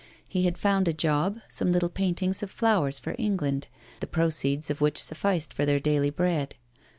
He had found a job, some little paintings of flowers for England, the proceeds of which sufficed for their daily bread.